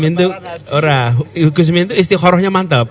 nanti ini dah biasanya gusimin itu istiqorohnya mantap